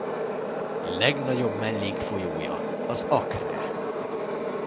Legnagyobb mellékfolyója az Acre.